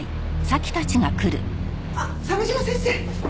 あっ鮫島先生！